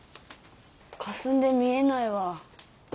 かすんで見えないわ。